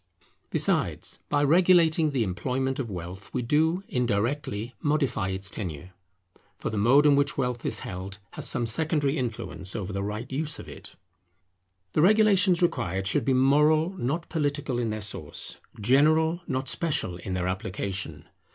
Besides, by regulating the employment of wealth, we do, indirectly, modify its tenure; for the mode in which wealth is held has some secondary influence over the right use of it. The regulations required should be moral, not political in their source; general, not special, in their application.